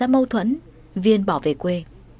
mâu thuẫn viên bỏ về quê